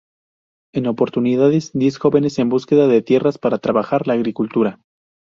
En oportunidades diez jóvenes en búsqueda de tierras para trabajar la agricultura.